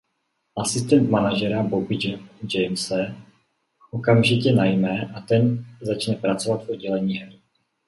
Asistent manažera Bobby Jamese okamžitě najme a ten začne pracovat v oddělení her.